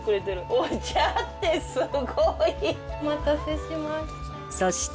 お待たせしました。